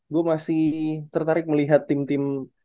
gue masih tertarik melihat tim tim